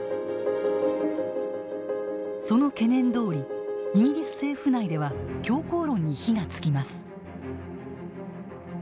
その懸念どおりイギリス政府内では強硬論に火がつきます。